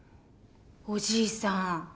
おじいさん。